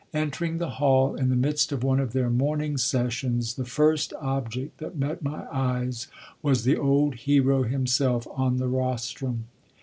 Entering the hall in the midst of one of their morning sessions, the first object that met my eyes was the old hero himself on the rostrum.